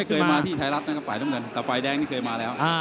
เคยมาที่ไทยรัฐนะครับฝ่ายน้ำเงินแต่ฝ่ายแดงนี่เคยมาแล้ว